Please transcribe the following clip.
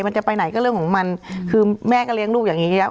จะไปไหนก็เรื่องของมันคือแม่ก็เลี้ยงลูกอย่างนี้แล้ว